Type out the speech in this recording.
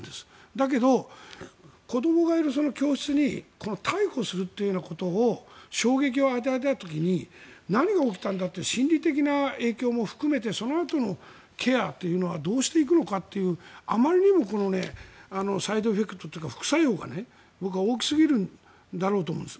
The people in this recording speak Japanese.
だけど、子どもがいる教室で逮捕するということを衝撃を与えた時に何が起きたんだという心理的な影響も含めてそのあとのケアというのはどうしていくのかというあまりにもサイドエフェクトというか副作用が僕は大きすぎるんだろうと思うんです。